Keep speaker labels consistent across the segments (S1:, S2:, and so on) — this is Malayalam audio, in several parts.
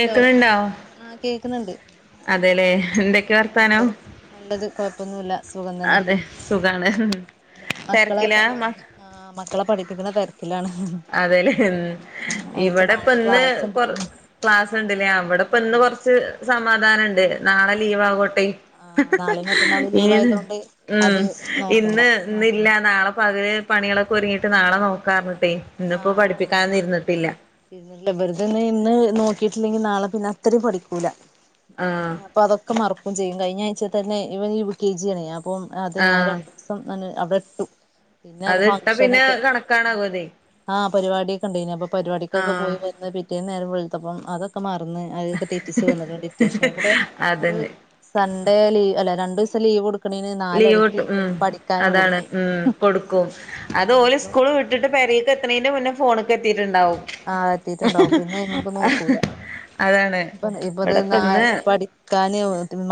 S1: ഹലോ ആഹ് കേക്കുന്നുണ്ട്
S2: അതെല്ലേ എന്തെ ക്കെ
S1: ആഹ് അതെ
S2: വർത്താനം
S1: നല്ലത് കൊഴപ്പൊന്നുല്ല സുഖം തന്നെ
S2: അതെ സുഖാണ്. തെര്ക്കില മ
S1: ആ മക്കളെ പഠിപ്പിക്ക്ന്ന തെര് ല്ലാണ്
S2: അതെല്ലേ മ് ഇവിടെപ്പൊ
S1: നാളെ
S2: ഇന്ന്
S1: ക്ലാസ്ണ്ട്
S2: കൊർ ക്ലാസ്സ്ണ്ട്ലേ അവിടെ ഇപ്പൊ ഇന്ന്
S1: ഉം
S2: കൊർച്ച് സമാധാനണ്ട്. നാളെ ലീവാവോട്ടെ
S1: ആഹ് നാളെയും മറ്റന്നാളും
S2: മ്
S1: ലീവ് ആയതൊണ്ട് അത് നോക്കണ്ട
S2: ഇന്ന് ഇന്നില്ല നാളെ പകല് പണി കളൊക്കെ ഒര്‌ങ്ങീട്ട് നാളെ നോക്കാർഞ്ഞിട്ടേ. ഇന്നിപ്പോ പഠിപ്പിക്കാനൊന്നും ഇര്ന്നിട്ടില്ല.
S1: ഇല്ല ഇവര്‌തെ ഇന്ന് ഇന്ന് നോക്കിയിട്ടില്ലെങ്കി നാളെ പിന്നെ അത്രിം പഠിക്കൂല.
S2: ആഹ്.
S1: അപ്പൊ അതൊക്കെ മറക്കും ചെയ്യും കയ്ഞ്ഞാഴ്ച തന്നെ ഇവൻ യു കെ ജി ആണെ അപ്പം അത് ഞാൻ ര
S2: ആഹ്
S1: സം തന്നെ അവിടെട്ടു. പിന്നെ ഒരു
S2: അത് ഇട്ടാ പിന്നെ
S1: ഫംഗ്ഷനൊക്കെ
S2: കണക്കാണാവതെ
S1: ആ പരിവാട്യാക്കെ ഇണ്ടേനി അപ്പൊ പരിപാടിക്കൊക്കെ
S2: ആഹ്
S1: പോയി അന്ന് പിറ്റേന്ന് നേരം വെൾത്തപ്പം അതൊക്കെ മർന്ന് അതൊക്കെ തെറ്റിച്ച് വന്ന്ക്ക്ണ് ഡിറ്റേഷൻ കൂടെ ഒരു
S2: അതന്നെ
S1: സൺഡേ ലീ അല്ല രണ്ടോസം ലീവ് കൊട്
S2: ലീവ് ഇട്ടും ഉം അതാണ്
S1: കൊടുക്കും
S2: ഉം കൊട്ക്കും അത്
S1: ആഹ്
S2: ഓല്
S1: ഇനിപ്പോ
S2: സ്കൂൾ വിട്ട ട്ട്ട് പെരേക്ക് എത്ത്ണേന്റെ മുന്നേ ഫോണ്ക്കെത്തീട്ട്‌ണ്ടാവും.
S1: ആഹ് എത്തീട്ട്ണ്ടാവും പിന്നെ അയ്മ്മക്ക് നോക്കൂല
S2: അതാണ്
S1: ഇപ്പ ഇപ്പത്
S2: ഇവിടെപ്പ
S1: ന
S2: ഇന്ന്
S1: പഠി കാന്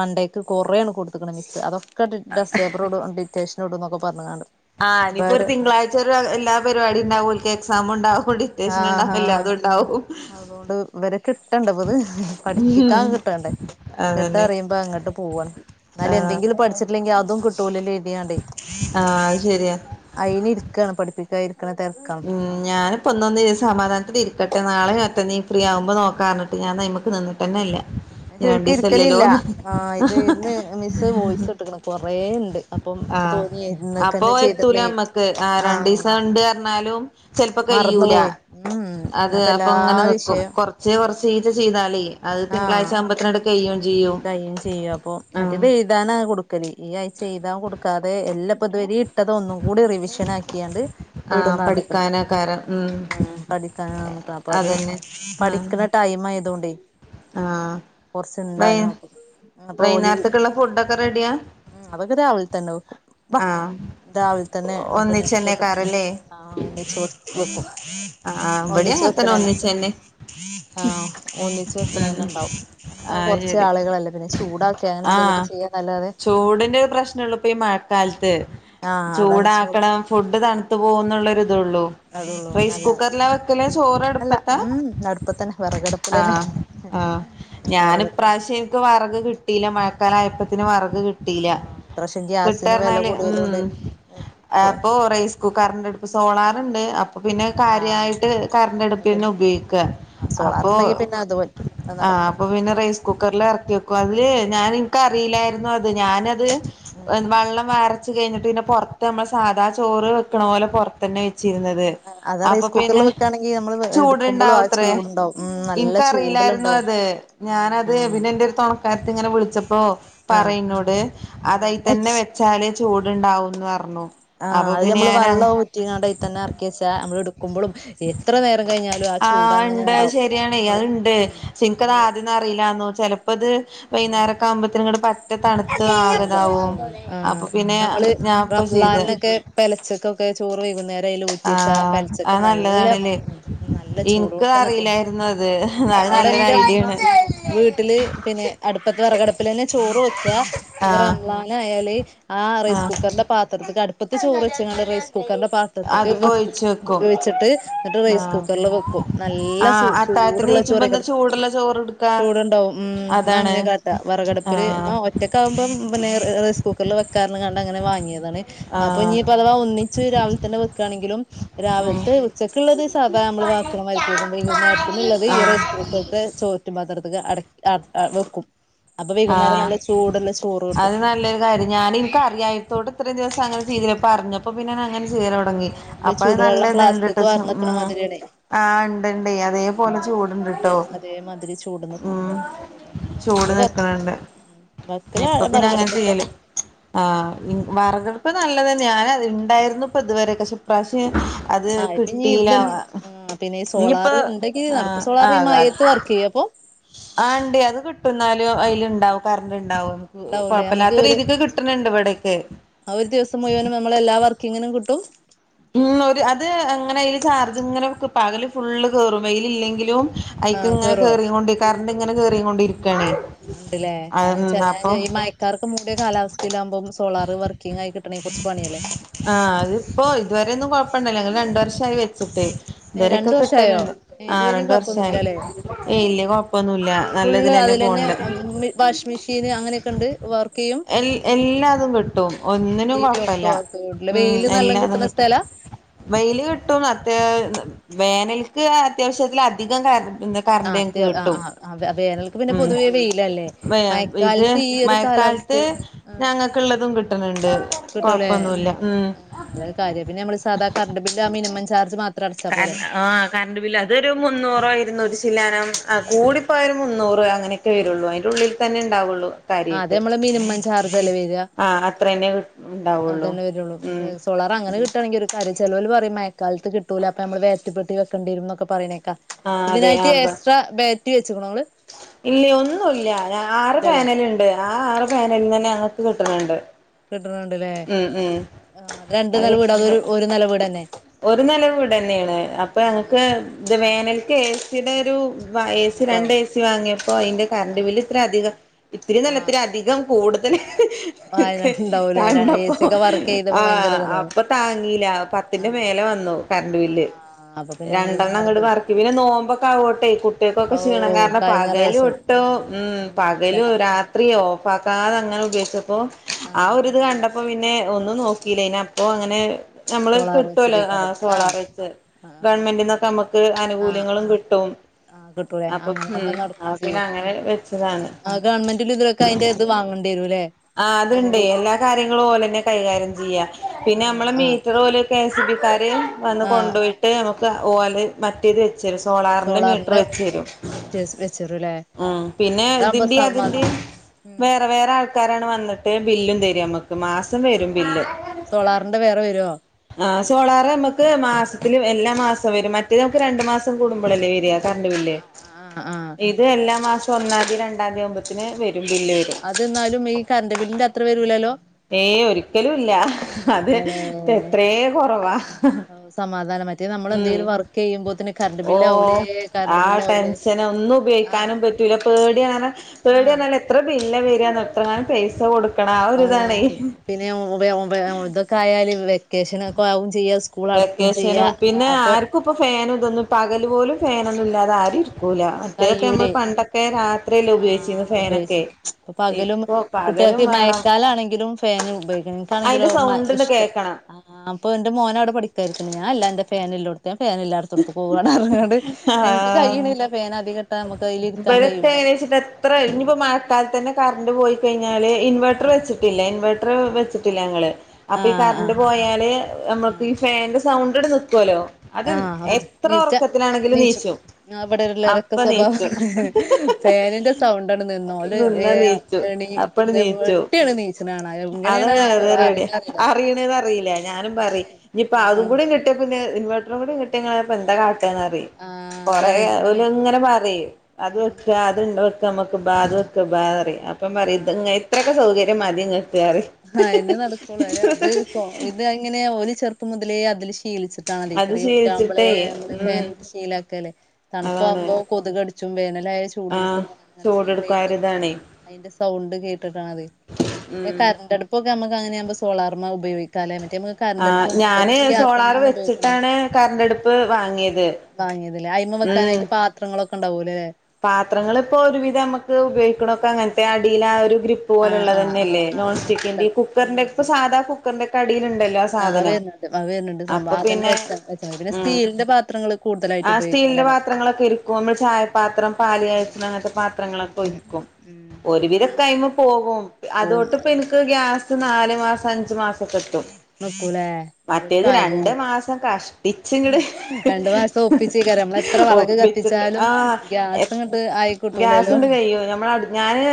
S1: മണ്ടയ്ക്ക് കൊറേണ് കൊട്ത്ത്ക്ക്ണ് മിക്സ് അതൊക്കെ ഡസ്റ്റേപ്പറോട് ഡീറ്റെഷ ന്നൊട്ടുന്നൊക്കെ പർഞ്ഞാണ്ട്.
S2: ആ ഇനിയിപ്പോ ഒരു തിങ്കളാഴ്ച ഒരു എല്ലാ പരിപാടി ഇണ്ടാവോൽക്ക് എക്സാംമ്ണ്ടാവൂടി സ്റ്റേഷൻ
S1: ആഹ്
S2: ഉണ്ടാവുല്ല
S1: ആഹ്
S2: അതു ഉണ്ടാവും.
S1: അതുകൊണ്ട് ഇവരെ കിട്ടണ്ടപ്പത്. പഠിപ്പിക്കാൻ
S2: ഉം
S1: കിട്ടണ്ടേ. ഇങ്ങട്ട്
S2: അതന്നെ
S1: അറിയുമ്പോ അങ്ങട്ട് പോവാണ് എന്നാല്
S2: ആഹ്
S1: എന്തെങ്കിലും പഠിച്ചിട്ടില്ലെങ്കി അതും കിട്ടൂലല്ലേര് ത്യാണ്ടെ
S2: ആഹ് അത് ശരിയാ
S1: അയ്ന് ഇര്ക്കാണ് പഠിപ്പിക്ക ഇര്ക്ക്ണ തെര്ക്ക.
S2: മ് ഞാനിപ്പൊന്നൊന്ന് സമാധാനത്തിൽ ഇരിക്കട്ടെ നാളെ മറ്റനീ ഫ്രീ ആവുമ്പോ നോക്കാർ ഞ്ഞ്ട്ട് അപ്പ ഞാൻന്നയ്മക്ക് നിന്ന്ട്ടെ ന്നെല്ല.
S1: ഞാൻ ശെര്ക്ക്‌ ഇര്‌ക്കലില്ല ആ ഇത് ഇന്ന് മിസ്സ് വോയ്സ് ഇട്ട്ക്ണ് കൊറെേണ്ട്.
S2: ആഹ് അപ്പൊ എത്തൂല
S1: ചെയ്തിട്ടില്ലെങ്കിൽ
S2: അമ്മക്ക് ആ
S1: ആഹ്
S2: രണ്ടിസണ്ട് അർഞ്ഞാലും. ചെൽപ്പം
S1: മറന്നു
S2: കയ്യൂല.
S1: പോയി ഉം
S2: അതെ അപ്പൊ
S1: എല്ലാ
S2: ഇങ്ങനെന്ന്ക്കും
S1: വിഷയം
S2: കൊർച്ചേ കൊർചീച്ച ചെയ്താളീ അഹ് തിങ്കളാഴ്ച ആവുമ്പത്തിനാട് കയോംചെയ്യും.
S1: കയ്യും ചെയ്യും അപ്പൊ മറ്റേ ബേ ഇടാനാ അത് കൊടുക്കല് ഈ ആഴ്ച എയ്താൻ കൊടുക്കാതെ എല്ലപ്പ ഇതുവരെ ഇട്ടത് ഒന്നും കൂടി റിവിഷൻ ആക്കിയാണ്ട്
S2: ആഹ്
S1: ഇടുന്ന് പറഞ്ഞിക്കണ്
S2: പഠിക്കാനേക്കാരം ഉം
S1: പഠിക്കാനാവുമ്പക്ക് അപ്പ അത്
S2: അതന്നെ ആഹ്
S1: പഠിക്കണ ടൈം ആയതുകൊണ്ടേ
S2: ആഹ് വൈ
S1: അപ്പൊ അപ്പൊ ഓല്
S2: വൈന്നേരത്തേക്കുള്ള ഫുഡൊക്കെ റെഡിയാ
S1: ഉം അതൊക്കെ രാവിലെ തന്നെ ആവും
S2: ആഹ്
S1: രാവിലെ തന്നെ പിന്നെ വെക്ക
S2: ഒന്നിച്ചന്നെക്കാരല്ലേ
S1: ആഹ് ഒന്നിച്ച് വെക്ക് വെക്കും
S2: ആ ഇവിടെ
S1: ഒന്നിച്ചു
S2: അങ്ങനത്തന്നെ
S1: വെക്കണന്നെ
S2: ഒന്നിച്ചന്നെ
S1: ആഹ്
S2: ഉം
S1: ഒന്നിച്ചുവെക്കണെന്നെണ്ടാവും
S2: ആ
S1: ആഹ് കൊറച്ച്
S2: ശരി
S1: ആളുകളല്ലെ പിന്നെ ചൂടാക്കെ
S2: ആ
S1: അങ്ങനെന്തെലൊക്കെ ചെയ്യാന്ന് അല്ലാതെ
S2: ചൂടിന്റെ ഒക്കെ പ്രശ്ന ഇള്ളപ്പ് ഇപ്പം ഈ മഴക്കാലത്ത്
S1: ആഹ് അതാണ് ചൂട്
S2: ചൂടാക്കണം ഫുഡ് തണുത്തു പോകന്നുള്ളൊരു ഇതോള്ളൂ
S1: അതൊള്ളൂ ന്നാലും ഗ്യാസ് അല്ല
S2: അടുപ്പത്താ
S1: ഉം അടുപ്പത്തന്നെ വെറകടുപ്പിലെന്നെ
S2: ഞാൻ ഇപ്രാവശ്യം ഇൻക്ക് വെറക് കിട്ടീല മഴക്കാലായപ്പത്തിന് വെറക് കിട്ട്
S1: ആഹ് [unintelligible]
S2: [unintelligible]
S1: വില
S2: പറഞ്ഞാല് ഉം
S1: കൂടിയതോണ്ട്
S2: അപ്പൊ റൈസ് കുക്കർ കറന്റ് അടുപ്പ് സോളാറുണ്ട് അപ്പൊ പിന്നെ
S1: ആഹ്
S2: കാര്യായിട്ട്
S1: അതും
S2: കറണ്ടടുപ്പന്നെ ഉപയോഗിക്കാ
S1: ആഹ്
S2: അപ്പൊ
S1: സോളാറുണ്ടെങ്കി പിന്നെ അത് പറ്റും അത്
S2: ആഹ്
S1: നടക്കും
S2: അപ്പൊ പിന്നെ റൈസ് കുക്കറില് എറക്കി വെക്കും അതില് ഞാന്
S1: ആഹ്
S2: ഇക്കറീല്ലാരുന്നു അത് ഞാനത്
S1: ഉം
S2: വെള്ളം വാര വച്ച് കഴിഞ്ഞിട്ട് പിന്നെ പൊറത്തമ്മളെ സാധാ ചോറ് വെക്ക്ണ പോലെ പൊറത്തന്നെ വെച്ചീര്ന്നത് ത്
S1: അതാ
S2: അപ്പൊ
S1: റൈസ് കുക്കറിൽ
S2: പിന്നെ
S1: വെക്കാണെങ്കി നമ്മള് എടുക്കുമ്പളും ആ
S2: ചൂട്ണ്ടാവുത്രേ
S1: ചൂടുണ്ടാവും ഉം നല്ല
S2: ഇൻക്കറിയിലായിരുന്നു
S1: ചൂടിലുണ്ടാവും
S2: അത് ഞാനത്
S1: ആഹ്
S2: പിന്നെ ഇന്റൊരു തൊണ ണെടുത്തിങ്ങനെ വിളിച്ചപ്പോ
S1: ആഹ്
S2: പറയിന്നോട് അതയിതന്നെ
S1: ആഹ്
S2: വെ വെച്ചാല് ചൂടുണ്ടാവുന്ന് പറഞ്ഞു
S1: ആഹ്
S2: അപ്പൊ
S1: അത്
S2: പിന്നെ
S1: ഞമ്മള്
S2: ഞാൻ
S1: വള്ളം ഊറ്റീങ്ങാണ്ടയ് തന്നെ എറക്കിയേച്ചാ അമ്മള് എട്ക്കുമ്പളും എത്ര നേരം കയിഞ്ഞാലും
S2: ആഹ് ഇണ്ട് അത് ശരിയാണേയ് അത്ണ്ട്
S1: ആഹ്
S2: ഷെ ഇൻക്കത്
S1: നമ്മള്
S2: ആദ്യൊന്നും അറീലാര്ന്നു ചെലപ്പൊത് വൈന്നാരൊക്കാകുമ്പത്തിന് ഇങ്ങട്ട് പറ്റെ തണ്ത്ത് ആകെ ഇതാവും അപ്പൊ പിന്നെ ഞാൻപ്പ ചെയ്ത്
S1: റംളാലിലൊക്കെ പെലച്ചക്കൊക്കെ ചോറ് വൈകുന്നേര ഇതയില് ഊറ്റി വെച്ചാ
S2: ആഹ്
S1: പെലച്ചക്ക്
S2: അത്
S1: നല്ല ഉം
S2: നല്ലതാണ്ല്ലേ
S1: ഉം നല്ല
S2: ഇൻക്ക്
S1: ചൂടോട്ക്കനെ തിന്നാ
S2: അറിയില്ലായിരുന്നു അത് അത്
S1: അവിടെ
S2: നല്ലൊരു
S1: ഇൻ്റെ ഉമ്മ
S2: ഐഡിയാണ്
S1: വീട്ടില് പിന്നെ അട്പ്പത്ത് വെറകട്പ്പിലെന്നെ ചോറ് വെക്കാ പിന്നെ
S2: ആഹ്
S1: റംളാനായാല് ആ റൈസ്
S2: ആഹ്
S1: കുക്കറിന്റെ പാത്രത്തിക്ക് അടുപ്പത്ത് ചോറ് വെച്ച്ങ്ങാണ്ട് റൈസ് കുക്കറിന്റെ പാത് അടുപ്പത്ത്ക്ക്
S2: അത്ക്ക്
S1: വെക്കും
S2: ഒഴിച്ച്
S1: വേവിച്ചിട്ട് ഇന്നിട്ട് റൈസ്
S2: ആഹ്
S1: കുക്കറില് വെക്കും നല്ല സൂ
S2: ആഹ് അത്താഴത്തിന്
S1: ചൂടുള്ള
S2: നീച്ചുമ്പോ എന്താ
S1: ചോറേക്കാരം
S2: ചൂടുള്ള ചോറ്ട്ക്കാ
S1: ചൂടുണ്ടാവും ഉം ഇമ്മ
S2: അതാണ്
S1: അങ്ങനെ കാട്ടാ വെറകട്പ്പില്
S2: ആഹ്
S1: ഇമ്മ ഒറ്റക്കാവുമ്പം പിന്നെ റെ റെ റൈസ് സ് കുക്കറില് വെക്കാർഞ്ഞ്ങ്ങാണ്ട് അങ്ങനെ വാങ്ങിയതാണ് അപ്പൊ
S2: ആഹ്
S1: ഇഞ്ഞീപ്പ അഥവാ ഒന്നിച്ച് രാവിലെ തന്നെ വെക്കാണെങ്കിലും
S2: ഉം
S1: രാവിലത്തെ ഉച്ചക്ക്ള്ളത് സാധാ നമ്മള് വാക്കണമായിരിക്ക് വെക്കും വൈകുന്നേരത്തിന്ള്ളത് ഈ റൈഡ്
S2: ആഹ്
S1: കുക്ക് [unintelligible] ചോറ്റും പാത്രത്ത്ക്ക് അടക്ക് അട വെക്കും അപ്പൊ വൈകുന്നേരം നല്ല ചൂട്ള്ള ചോറ് കിട്ടും
S2: [unintelligible] ഞാനും ഇൻകറിയായിത്തോണ്ട് ഇത്രേം ദിവസം അങ്ങനെ ചെയ്തീല ഇപ്പറിഞ്ഞപ്പോ പിന്നങ്ങനെ ചിയ്യലൊടങ്ങി ങ്ങി
S1: ആഹ് നമ്മള്
S2: അപ്പത് നല്ല
S1: ചൂടുവെള്ളം പ്ലാസ്ക്ക്ക്ക്
S2: ഇത്ണ്ട്ട്ടോച്ച് ഉം
S1: വാർന്നക്കണ മാതിരിയാണേ
S2: ആഹ് ഇണ്ട്ണ്ട് അതേപോലെ
S1: അത് അത്
S2: ചൂട്ണ്ട്ട്ടോ
S1: അതേമാതിരി ചൂട് നിക്കും
S2: ഉം
S1: അത് നല്ലൊരു ഇതാ
S2: ചൂട്
S1: അത്
S2: നി
S1: വെ
S2: ആഹ് ഇണ്ട്
S1: ഉം വെക്കല്
S2: ഇപ്പൊ പിന്നെ അങ്ങനെ ചെയ്യല്
S1: വിറകടുപ്പത്തന്നെ
S2: ആഹ് ഇൻ വറകടുപ്പ് നല്ലതന്നെയാ ഞാൻ അതില് ഇണ്ടായിരുന്നു ഇപ്പൊ ഇതുവരെക്കെ പക്ഷെ ഇപ്രാശ്യം ഞാൻ അത്
S1: ആഹ് പിന്നെ
S2: കിട്ടീല
S1: ഇത് ആഹ് പിന്നെ ഈ സോളാർ
S2: ഇഞ്ഞിപ്പോ
S1: ഉണ്ടെങ്കി നടക്കും
S2: ആഹ്
S1: സോളാർ ഈ
S2: ആകാ
S1: മഴയത്ത് വർക്ക് ചെയ്യും അപ്പൊ
S2: ആഹ് ഇണ്ടെ അത് കിട്ടും ഇന്നാലും അയില് ഇണ്ടാവും കറന്റ്ണ്ടാവും [unintelligible]
S1: ഉണ്ടാവൂലേ
S2: കൊഴപ്പല്ലാത്ത രീതിക്ക് കിട്ടണണ്ട് ഇവിടെക്കെ
S1: അത് ഒരു ദിവസം മുഴുവനും നമ്മളെ എല്ലാ വർക്കിങ്ങിനും കിട്ടും
S2: ഉം ഒരു അത് അങ്ങനെ അയില് ചാർജ് ഇങ്ങനെ നിക്കും പകല് ഫുള്ള് കേറും വെയില് ഇല്ലെങ്കിലും
S1: ആഹ്
S2: അയിക്ക്ങ്ങനെ
S1: കേറോ
S2: കേറീങ്ങോണ്ട് കറണ്ട്ങ്ങെനെ കേറീങ്ങോണ്ടിരിക്കാണെ അപ്പൊ
S1: മഴക്കാറൊക്കെ മൂടിയ കാലാവസ്ഥയിലാകു
S2: ആഹ് അതിപ്പൊ ഇതുവരെയൊന്നും കൊഴപ്പണ്ടായില്ല ഞങ്ങള് രണ്ട് വർഷായി വെച്ചി ട്ട്. ഇതുവരൊക്കെ
S1: രണ്ട് വർഷായോ
S2: കിട്ടല്ണ്ട് ആഹ്
S1: ഇതുവരെയും
S2: രണ്ട് വർഷായി
S1: കൊഴപ്പൊന്നുമില്ലല്ലേ
S2: ഏയ്‌ ഇല്ല കൊഴ പ്പൊന്നുല്ല നല്ലതിലെന്നെ പോണ് ണ്ട്
S1: -വാഷ് മിഷീന് അങ്ങനെക്കെണ്ട് വർക്കെയ്യും
S2: എല്ലാ എല്ലാതും ക്ട്ടും ഒന്നിനും
S1: ടി വി ഒക്കെ
S2: കൊഴപ്പല്ല
S1: വർക്ക് ചെയ്യും
S2: ഉം
S1: വെയില് നല്ലോം
S2: എല്ലാതും
S1: കിട്ടണ
S2: കിട്ടും
S1: സ്ഥലാ
S2: വെയില് കിട്ടും അത്യാ വേനൽക്ക് അത്യാവശ്യത്തിലധികം കറന്റ്
S1: ആഹ് അത്യാ ആഹ് ആഹ് വെ വേനൽക്ക് പിന്നെ
S2: ഉം
S1: പൊതുവെ വെയിലല്ലേ
S2: ഇത്
S1: മഴക്കാലത്ത് ഇയൊരു കാലാവസ്ഥ ആഹ്
S2: ക്ള്ളതും കിട്ടണ് ണ്ട് കൊഴപ്പൊന്നുല്ല ഉം
S1: അതൊരുകാര്യ പിന്നെ നമ്മള് സാധാ കറണ്ട് ബില്ലാ മിനിമം ചാർജ് മാത്രം അടച്ചാ
S2: കര
S1: പോരെ
S2: ആഹ് കറണ്ട് ബില്ല് അതൊരു മുന്നൂറൊ ഇരുന്നൂറ്റി ചില്ലാനം കൂടിപ്പോയ ഒരു മുന്നൂറ് അങ്ങനെ ക്കെ വെരുള്ളൂ അയിന്റെയുള്ളി തന്നെ ഇണ്ടാവൊള്ളൂ
S1: ആഹ് അതമ്മളെ മിനിമം ചാർജല്ലെ വെരാ
S2: ആ അത്രന്നെ ഉണ്ടാവുള്ളൂ
S1: അതന്നെ വെരൊള്ളൂ
S2: ഉം
S1: സോളാറങ്ങനെ കിട്ടാണെങ്കിലൊരു കാ ര്യാ ചെലോല് പറിം മഴക്കാലത്ത് കിട്ടൂല അപ്പൊ നമ്മള് ബേട്ട്റിപ്പെട്ടി വെക്കെണ്ടിരുന്നൊക്കെ പറയ്ണേക്കാ
S2: ആ അതെ
S1: ഇതിനായിട്ട്
S2: ആ
S1: എക്സ്ട്രാ ബാട്ട്റി വെച്ച്ക്ണൊ ഇങ്ങള്?
S2: ഇല്ല ഒന്നൂല്ല്യ ഞാ ആറ്
S1: ഇല്ലല്ലേ
S2: പാനല്ണ്ട് ആ ആറ് പെനല്ന്നന്നെ ഞങ്ങക്ക് കിട്ടണ് ണ്ട്
S1: കിട്ട്ണ് ണ്ടലെ ആഹ് ഇത്
S2: അത്
S1: രണ്ട്നെലവീടാ അതൊ
S2: കിട്ടണ്ട്.
S1: ഒരുനെല വീടന്നെ?
S2: ഒരു നെല വീടെന്നേണ് അപ്പൊ
S1: ആ
S2: ഞങ്ങക്ക് ഇത്
S1: ആ
S2: വേനൽക്ക് ഏസിടൊരു ഏ
S1: ആഹ്
S2: സി രണ്ട്
S1: അപ്പം
S2: ഏ സി വാങ്ങിയപ്പോ അയിന്റെ കറണ്ട്
S1: ആഹ്
S2: ബില്ല് ഇത്രധികം ഇത്തിരിന്നല്ല
S1: ആഹ്
S2: ഇത്തിരിയധികം കൂ ടുതല്
S1: വയനാട്ടിൽ ഉണ്ടാവൂലേ എ
S2: കണ്ടപ്പൊ
S1: സി ഒക്കെ വർക്ക് ചെയ്തപ്പോ ഭയങ്കര
S2: ആഹ്
S1: ഇതല്ലേ
S2: അപ്പൊ താങ്ങീല പ ത്തിന്റെ
S1: ആഹ്
S2: മേലെ വന്നു കറണ്ട്ബില്ല്
S1: ആഹ് അപ്പൊ പിന്നെ നമ്മുക്കൊക്കെ
S2: രണ്ടെണ്ണെങ്ങട്ട്
S1: നടക്കൂല
S2: വർക്ക് പിന്നെ നോമ്പൊക്കെ ആവോട്ടെ കു ട്ടീക്കൊക്കെ
S1: ഓ
S2: ക്ഷീണം കാരണം
S1: കഴിഞ്ഞ പ്രാവശ്യം
S2: പകലുട്ടു ഉം
S1: എന്താ
S2: പകലും രാത്രി ഓഫാക്കാതങ്ങനെ ഉപയോഗിച്ചപ്പൊ
S1: ആഹ്
S2: ആഒരു ഇത്
S1: നല്ല
S2: കണ്ടപ്പൊ പി ന്നെ ഒന്നും നോക്കീല്ല പിന്നപ്പോ അങ്ങനെ നമ്മള് ക്ക്
S1: സോളാർ
S2: കിട്ടോല്ലോ
S1: വെച്ചതേക്കാരം
S2: ആഹ് സോളാർ വെച്ച്
S1: ആഹ്
S2: ഗവൺമെന്റിന്നൊക്കെ അമ്മക്ക്
S1: ആഹ്
S2: ആനുകൂല്യങ്ങളും കിട്ടും
S1: ആഹ് കിട്ടൂലേ
S2: അപ്പൊ ഉം
S1: അങ്ങനെയാവുമ്പോ നടക്കും
S2: അപ്പപിന്നെ
S1: ചെയ്യും
S2: അങ്ങനെ വെച്ചതാണ്
S1: ആഹ് ഗവൺമെന്റിലിത് വെക്കാൻ അയ്ന്റെ ഇത് വാങ്ങണ്ടെരുലെ?
S2: ആഹ് അത്ണ്ട് എല്ലാ കാര്യങ്ങളും ഓലെന്നെ കൈകാര്യം ചെയ്യാ പിന്നെ നമ്മളെ
S1: ആഹ് ആഹ്
S2: മീറ്ററ് ഓല് കെ എസ് സി ബിക്കാര് വന്ന്
S1: ആഹ്
S2: കൊണ്ടോയിട്ട് നമുക്ക് ഓല് മറ്റേത് വെച്ചരും സോളാറിന്റെ മീറ്റർ വെച്ചെരും
S1: മെറ്റേഴ്സ് വെച്ചരുല്ലേ
S2: ഉം പിന്നെ
S1: അതാകുമ്പോ
S2: ഇതിന്റെം
S1: സമാധാ
S2: അതിന്റിം
S1: ഉം
S2: വേറെ വേറെ ആൾ ക്കാരാണ് വന്നിട്ട് ബില്ലും തെരാ അമ്മക്ക് മാസം വെരും
S1: ആഹ്
S2: ബില്ല്
S1: സോളാറിന്റെ വേറെ വരുവോ
S2: ആഹ് സോളാറ്മ്മക്ക് മാസത്തില് എല്ലാ മാസവും വെരും മറ്റേ നമ്മക്ക് രണ്ടു മാസം കൂടുമ്പഴല്ലേ വെരാ
S1: ആഹ്
S2: കരണ്ട്ബില്ല്
S1: ആഹ് ആഹ്
S2: ഇത് എല്ലാ മാസം ഒന്നാതി രണ്ടാതി ആവുമ്പോത്തിന് വെരും ബില്ല് വെരും
S1: അത് ന്നാലും ഈ കററ്റ് ബില്ലിന്റെ അത്ര വെരൂലല്ലോ?
S2: ഏയ് ഒരിക്കലുല്ല അത്
S1: ഇല്ലല്ലേ
S2: എത്രേ കൊറവാ
S1: സമാധാനാ മറ്റേ
S2: ഉം
S1: നമ്മളെന്തേലും വർക്ക് ചെയ്യുമ്പോത്തിന് കറണ്ട് ബില്ലാവൂലേ കറണ്ട് ബില്ല്
S2: ആകെ
S1: ആവൂലേ
S2: ടെൻഷെനാ ഒന്നും
S1: ആഹ്
S2: ഉപയോഗിക്കാനും പറ്റൂല്ല പേടിയാണ് രണം പേട്യ
S1: ആഹ്
S2: പറഞ്ഞാലെ എത്ര ബില്ലാ വെരാന്നൊ എത്രെങ്ങാനും പൈസ കൊട്
S1: ആഹ് പിന്നെ വെ വെ ഇതൊക്കെ ആയല് വെക്കേഷനൊക്കെ ആവും ചെയ്യാ സ്
S2: വെക്കേഷനും പിന്നെ ആർക്കുപ്പം ഫാനു ഇതൊന്നും പകല് പോലും ഫാനൊന്നുംല്ലാതെ ആരും ഇരിക്കൂല്ല
S1: കയ്യൂലെ ആഹ്
S2: ഉപയോഗിച്ചിരുന്നു
S1: ഉപേയ്ച്ച്
S2: ഫാനൊക്കെ
S1: ഇപ്പ പകലും
S2: ഇപ്പൊ
S1: കുട്ടിയക്ക്
S2: പകലും
S1: ഈ
S2: വേണം
S1: മഴക്കാലാണെങ്കിലും ഫാന് ഉപയോഗിക്കണം എനിക്കാണെങ്കിലോ
S2: അയിന്റെ
S1: മ
S2: സൗണ്ട് ഇണ്ട്
S1: ഇഷ്ട
S2: കേക്കണം
S1: ആഹ് ഇപ്പൊ ഇന്റെ മോനവ്ടെ പഠിക്കാരിക്ണ്ട് ഞാ ഇല്ല അന്റെ ഫേനില്ലോട്ത്ത് ഞാ ഫേനില്ലാട്ത്തോട്ത്ത്ക്ക് പോവാണ് അർഞ്ഞ്ങ്ങാണ്ട് എൻക്ക് കഴിയ്ണില്ല ഫേന് അധികിട്ടാ നമുക്കയില് ഇരി
S2: ഇവടത്തെ ഏകശിട്ട് എത്ര ഇനിയിപ്പോ മഴക്കാലത്തന്നെ കറണ്ട് പോയി കഴിഞ്ഞാല് ഇൻവേട്ടർ
S1: ആഹ്
S2: വെച്ചിട്ട് ഇല്ല ഇൻവെർട്ടറ് വെച്ചിട്ടില്ല ഞങ്ങള് അപ്പൊ ഈ
S1: ആഹ്
S2: കററ്റ്
S1: ആഹ്
S2: പോയാല് മ്മ
S1: ആഹ്
S2: ഈ ഫാൻന്റെ സൗണ്ടടി നിക്കൂവലോ അത്
S1: ആഹ് അപ്പ
S2: എത്ര
S1: നീച്ച
S2: ഓറക്കത്തിലാണെങ്കിലും
S1: നീച്ചു
S2: നീശും
S1: ആഹ് ഇവിടെ ഒരു ഇറക്ക
S2: അപ്പ നി
S1: സ്വഭാവം ഫാനിന്റെ സൗണ്ടണ് നിന്നോല്
S2: നിന്ന
S1: ഏഹ്
S2: നീച്ചു
S1: എണീ
S2: അപ്പണ്ട് നീച്ചു
S1: നീച്ചണ കാണാ
S2: അത്
S1: എങ്ങനെയാണ്
S2: അത് റെഡിയ
S1: അറിയണ അറിയില്ല
S2: അറിയണത അറിയില്ല ഞാനും പറയ് ഇനിപ്പ അതും
S1: ആഹ്
S2: കൂടി കിട്ടിയാക്കുന് ഇൻവേറ്ററുങ്കൂടി കിട്ടിയാങ്ങള് എന്താ കാട്ടാന്നറിയി
S1: ആഹ്
S2: കൊറേ
S1: അതാണ്
S2: ഇങ്ങനെ പറയും. അത്
S1: ഉം
S2: വെക്ക അത്ണ്ടാ വെക്ക് മ്മ്ക്ക്മ്പാ അത് വെക്കമ്പാ റയ് അപ്പം പറയ്ത് ഇത്രൊക്കെ സൗകര്യം മതി ഇങ്ങക്ക്റിയും.
S1: ആഹ് എന്നെ നടക്കുള്ളൂ. അത് ഇത് ഇങ്ങനെ ഓല് ചെറുപ്പം മുതലേ അതില് ശീല് ശീലിച്ചിട്ടാണല്ലേ
S2: അത്
S1: ഇത്രേം ഉറ്റാമ്പളേ
S2: ശീലിച്ചിട്ടേ
S1: നമ്മള്
S2: ഉം
S1: ഫാനിട്ട് ശീലാക്കാല്ലേ
S2: അതാണ്
S1: തണുപ്പാമ്പൊ കൊതുകടി ച്ചും വേനലായ ചൂട്
S2: ആഹ്
S1: ട്ക്കും അങ്ങനെ ശീലായിട്ട്
S2: ചൂടെടുക്കാരിതാണേ
S1: അതിന്റെ സൗണ്ട് കേട്ടിട്ടാണത്.
S2: ഉം
S1: കരണ്ടടുപ്പൊക്കെ നമക്ക് അങ്ങനാവ്മ്പോ സോളാറ്മെ ഉപയോഗിക്കാലെ മറ്റേ നമക്ക്
S2: ആഹ് ഞാന് സോളാറ് വെച്ചിട്ടാണ് കരണ്ടടുപ്പ് വാങ്ങിയത്.
S1: വാങ്ങിയത് ലെ ഐമെ വെക്കാനായിട്ട് പാത്രങ്ങളൊക്കെണ്ടാവൊല്ല ലേ?
S2: പാത്രങ്ങള് ഇപ്പോ ഒരുവിധം നമക്ക് ഉപയോഗിക്കണൊക്കെ അങ്ങൻത്തെ അടീലാ ആഹ് ഒരു ഗ്രിപ്പ്
S1: ആഹ് ആഹ് ആഹ്
S2: പോലുള്ളതന്നെല്ലേ നോൺ
S1: ആഹ്
S2: റ്റിക്കിൻ്റെ
S1: ആഹ്
S2: കുക്കർന്റെ
S1: നോട്സ്
S2: ഇപ്പം സാധാ കുക്കർന്റെ അടിയില്ണ്ടല്ലോ?
S1: ആഹ് അത് വര്ണണ്ട് വര്ണണ്ട് സംഭവം അതന്നെ വെച്ചാ വെച്ചമതി പിന്നെ സ്റ്റീൽൻ്റെ പാത്രങ്ങള് കൂ
S2: ആഹ് സ്റ്റീൽന്റെ പത്രങ്ങളൊക്കെ ഇരിക്കും നമ്മള് ചായ പാത്രം പാല്
S1: ഉം
S2: കാച്ച്ണ അങ്ങൻത്തെ
S1: ഉം
S2: പാത്രങ്ങളൊക്കെ
S1: ഉം
S2: ഉരുക്കും
S1: ഉം സുഖാണ്
S2: ഒരുവിധൊക്കയ്മ പോകും
S1: പോവും
S2: അതോട്ട് ഇപ്പം ഇൻക്ക് ഗ്യാസ് നാല് മാസം അഞ്ച് മാസം കിട്ടും
S1: നിക്കൂലേ നല്ലൊരു
S2: മറ്റേത് രണ്ട്
S1: കാര്യാണിത്
S2: മാസം കഷ്ട്ടിച്ച് ഇങ്ങട്
S1: രണ്ടു മാസം ഒപ്പിച്ചേക്കാരം നമ്മള് എത്ര വിറക്
S2: ഒപ്പിച്ചിട്ട്
S1: കത്തിച്ചാലും
S2: ആഹ്
S1: ഗ്യാസ് ഇങ്ങട്ട് ആയി കിട്ടൂലല്ലോ
S2: ഗ്യാസ്ണ്ട് കയ്യും ഞമ്മള്അ ഞാന്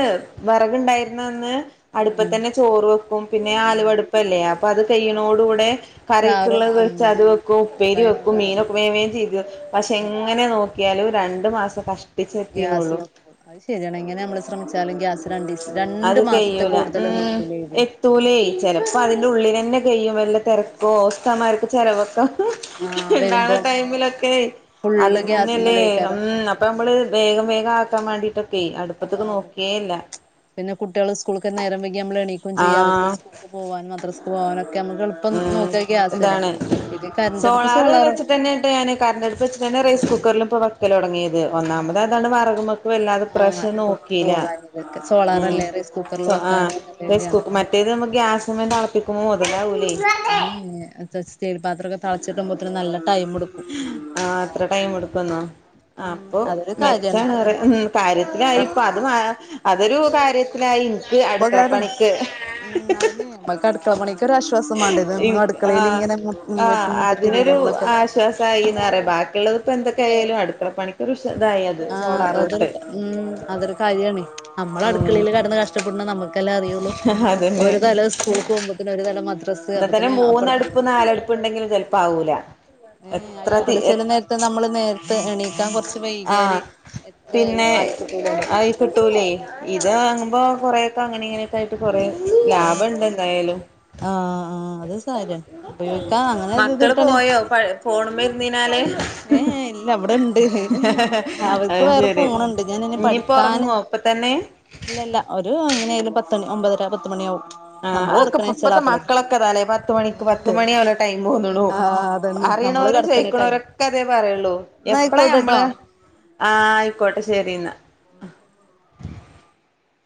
S2: വെറക്ണ്ടായിരുന്ന അന്ന്
S1: ഉം
S2: അടുപ്പത്തന്നെ ചോറ് വെക്കും പിന്നെ
S1: ആഹ്
S2: ആലുവാടുപ്പല്ലേ അപ്പൊ അത്
S1: ആഹ് അപ്പ
S2: കൈയ്യിണോട് കൂടെ
S1: ചാറും
S2: കറിക്ക്ള്ളെ
S1: ഉം
S2: വെച്ചാ അത് വെക്കും ഉപ്പേരി വെക്കും
S1: കൈമൊക്കെ
S2: മീന് വേവേം ചെയ്തു പക്ഷെ
S1: ഉം
S2: എങ്ങനെ നോക്കിയാലും രണ്ട് മാസം കഷ്
S1: ഗ്യാസ് നിക്കൂ അത് ശെരിയാണ് എങ്ങനെ നമ്മള് ശ്രമിച്ചാലും ഗ്യാസ് രണ്ടീസ രണ്ടു
S2: അത്
S1: മാസത്ത്
S2: കയ്യൂല
S1: കൂടുത
S2: ഉം എത്തൂലേ ചെല പ്പോ അതിൻ്റെ ഉള്ളിലെന്നെ കെയ്യും വല്ല തെരക്കോ ഉസ്താന്മാർക്ക് ചെലവൊക്കെ
S1: ആഹ്
S2: ഇണ്ടാണെ
S1: വരുമ്പം
S2: ടൈമിലൊക്കെ
S1: ഫുള്ള്
S2: അതന്നലെ
S1: ഗ്യാസ്മ്മലേക്കാരം
S2: അപ്പമ്മള് വേഗം വേഗം ആക്കാൻ വേണ്ടിട്ടൊക്കെ അടുപ്പത്ത്ക്ക്
S1: ആകും
S2: നോക്കേ ഇല്ല.
S1: പിന്നെ കുട്യള് സ്കൂക്ക് നേരം വൈകിമ്മക്ക് എണീക്കും ചെയ്യാ അവര്ക്ക്
S2: ആഹ്
S1: സ്കൂൾക്ക് പോകാനും മദ്രസ്ക്ക് പോകാനൊക്കെ നമക്ക് എളുപ്പം
S2: ഉം
S1: നോക്യാ ഗ്യാസെല്ലേ
S2: ഇതാണ്
S1: ഇത് കറണ്ടടുപ്പ് സോളാറ്
S2: ട്ട് ഞാന് കാരൻ്റടുപ്പ് വെച്ച്കാണ്ട് ഞാ റൈസ് കുക്കർലാ ഇപ്പൊ വെക്കലൊടങ്ങീത്
S1: ആഹ്
S2: ഒന്നാമത് അതാണ് വെറക്മക്ക് വല്ലാതെ ഇപ്രാശം നോക്കീല.
S1: അതൊക്കെ
S2: ഉം
S1: സോളാറല്ലേ റൈസ് കുക്കർല്
S2: സോ ആഹ്
S1: വെക്കാലോന്ന്ള്ളൊര്ത്
S2: റൈസ് കുക്ക്
S1: ഞങ്ങക്ക്
S2: മറ്റേത് നമ്മക് ഗ്യാസ്മെ തളപ്പിക്കുമ്പോ മൊതലാവൂലേ?
S1: ഏ ഏ സ്റ്റീൽപാത്രൊക്കെ ത ളച്ച് വരുമ്പോത്തിനും നല്ല ടൈ
S2: ആഹ് അത്ര ടൈമ്ട്ക്കുന്നോ? അപ്പൊ
S1: അതൊരു
S2: മെച്ചാണ്റിയാ
S1: കാര്യാണ്
S2: ഉം കാര്യത്തിലായി ഇപ്പൊ അത് മാ അതൊരു കാര്യത്തിലായി ഇൻക്ക്
S1: ഉപകാരം
S2: അട്ക്കളപ്പണിക്ക്.
S1: ഉം ഐന് നമുക്ക് അടുക്കള പണിക്കൊരു ആശ്വാസമാണ്ടെ
S2: ഇൻ
S1: ഇതെന്നും
S2: ആഹ്
S1: അടുക്കളയില്ങ്ങനെ വെട്ടി മുട്ടിത്തിരിയല്ലെ നമ്മളൊക്കെ
S2: ആശ്വാസായീന്നറിയാ ബാക്കിയുള്ളത് ഇപ്പോ എന്തെക്കെയാലും അടുകള പണിക്ക് ഒരുതായല്ലോ?
S1: ആഹ് അതൊര് ഉം അതൊരു കാര്യാണ്. അമ്മള്
S2: ഉം
S1: അടുക്കളീല് കടന്ന് കഷ്ടപ്പെടുന്നെ നമുക്ക ല്ലെ അറിയൊള്ളൂ
S2: അതന്നെ
S1: ഒരു തല സ്കൂൾക് പോകുമ്പേക്കെനും ഒരു തല മദ്രസ്
S2: ഇന്നാത്തന്നെ
S1: അപ്പത്തിന് അപ്പുറത്തെ
S2: മൂന്നട്പ്പ് നാലട്പ്പ് ഇണ്ടെങ്കിലും ചെലപ്പാവൂല
S1: ഏഹ് ആയിക്കോട്ടല ചെല നേര്ത്ത് നമ്മള് നേര്ത്തെ എണീ ക്കാൻ കൊർച്ച് വൈകിയാല്
S2: ആഹ്
S1: എത്രായാലും
S2: പിന്നെ
S1: ആയിക്കിട്ടൂലല്ലോ
S2: ഇപൊ കൊറേക്കെ അങ്ങനെ ഇങ്ങന്യായിട്ട് കൊറെ ലാഭണ്ട് എന്തായാലും
S1: ആഹ് ആഹ് അത് സാര്യ ഉപയോഗിക്കാ
S2: മക്കള്
S1: അങ്ങനൊര്ത്ട്ടാണെ
S2: പോയോ ഫോണ്മ്മെ ഇരുന്നയിഞ്ഞാല്
S1: ഏ ഏ ഇല്ല അവടെ ണ്ട് അവർക്ക്
S2: അത്
S1: വേറെ
S2: ശരി
S1: ഫോണ് ണ്ട്. ഞാപിന്നെ
S2: ഇനിയിപ്പോ
S1: പഠിക്കാന്
S2: ഉറങ്ങോ ഇപ്പ തന്നെ
S1: ഇല്ലല്ല ഒരു എങ്ങനായാലും പത്തണി ഒമ്പതര പത്ത്മണി ആവും
S2: ആഹ് അതൊക്കെ ഇപ്പത്തെ മക്കളൊക്കെതാലെ പത്ത്മണിക്ക് പത്ത് മണിയാ ഓലെ ടൈമോന്ന്ണു
S1: നമ്മള്
S2: പറിണോരും
S1: കിടക്കണ ടൈം
S2: ചോയ്ക്ക്ണോരൊക്കെ അതേ പറയുള്ളൂ
S1: ന്നാ
S2: എപ്പഴാ
S1: ആയിക്കോട്ടെട്ടോ
S2: നമ്മള് ആ ആയിക്കോട്ടെ ശരിന്ന